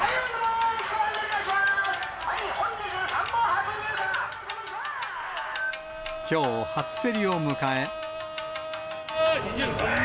本日、きょう、初競りを迎え。